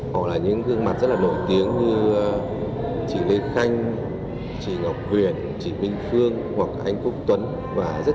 họ là những gương mặt rất là nổi tiếng như chị lê khanh chị ngọc huyền chị minh phương hoặc anh quốc